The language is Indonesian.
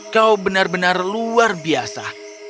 kau benar benar luar biasa